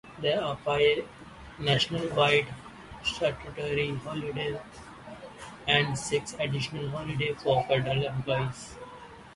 There are five nationwide statutory holidays, and six additional holidays for federal employees.